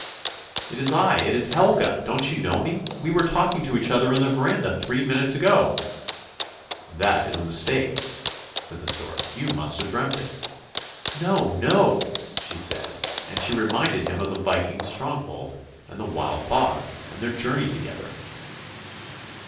"" It is I, it is Helga; don't you know me? We were talking to each other in the verandah three minutes ago." " That is a mistake," said the stork; " you must have dreamt it." " No, no," she said, and she reminded him of the Viking's stronghold, and the Wild Bog, and their journey together.